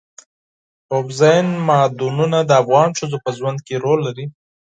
اوبزین معدنونه د افغان ښځو په ژوند کې رول لري.